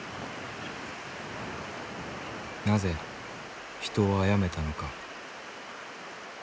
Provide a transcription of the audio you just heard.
「なぜ人をあやめたのか」。